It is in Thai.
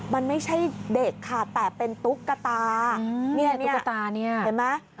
มันไม่ใช่เด็กค่ะแต่เป็นตุ๊กตาเนี่ยตุ๊กตาเนี่ยเห็นไหม